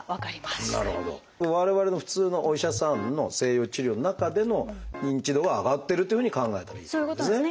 我々の普通のお医者さんの西洋治療の中での認知度は上がってるというふうに考えたらいいということですね。